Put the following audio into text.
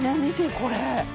これ。